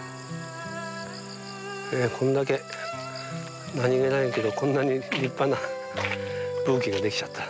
こんだけ何気ないけどこんなに立派なブーケが出来ちゃった。